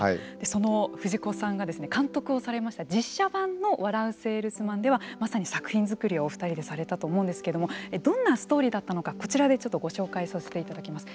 その藤子さんが監督をされました実写版の「笑ゥせぇるすまん」ではまさに作品作りをお二人でされたと思うんですけどもどんなストーリーだったのかこちらでちょっとご紹介させていただきます。